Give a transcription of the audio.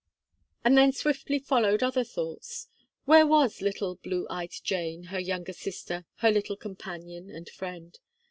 And then swiftly followed other thoughts. Where was little, blue eyed Jane, her younger sister, her little companion and friend?